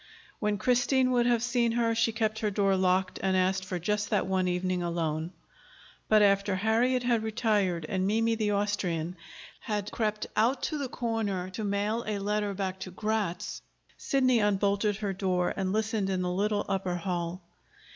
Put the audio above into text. When Christine would have seen her, she kept her door locked and asked for just that one evening alone. But after Harriet had retired, and Mimi, the Austrian, had crept out to the corner to mail a letter back to Gratz, Sidney unbolted her door and listened in the little upper hall.